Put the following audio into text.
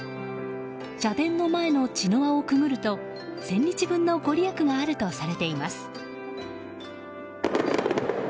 社殿の前の茅の輪をくぐると千日分のご利益があるとされています。